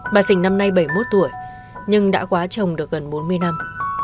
bà sình năm nay bảy mươi một tuổi nhưng đã quá trồng được gần bốn mươi năm